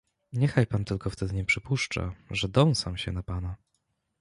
"Niechaj pan tylko wtedy nie przypuszcza, że dąsam się na pana."